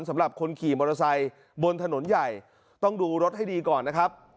สำหรับคนขี่มอเตอร์ไซค์บนถนนใหญ่ต้องดูรถให้ดีก่อนนะครับ